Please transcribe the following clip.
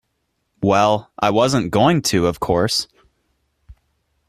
Well, I wasn't going to, of course.